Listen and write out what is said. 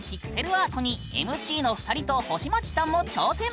アートにＭＣの２人と星街さんも挑戦！